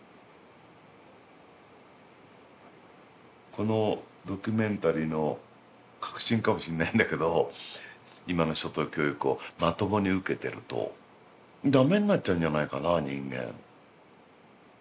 このドキュメンタリーの核心かもしんないんだけど今の初等教育をまともに受けてると駄目になっちゃうんじゃないかな人間。